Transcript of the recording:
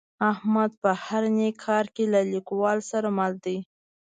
احمد په هر نیک کار کې له کلیوالو سره مل دی.